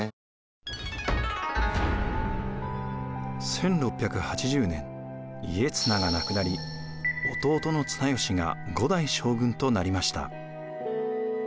１６８０年家綱が亡くなり弟の綱吉が５代将軍となりました。